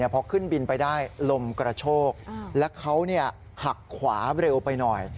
พอขึ้นบินไปได้ลมกระโชกแล้วเขาหักขวาเร็วไปหน่อย